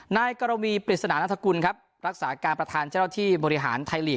นายกรวีปริศนานัฐกุลครับรักษาการประธานเจ้าหน้าที่บริหารไทยลีก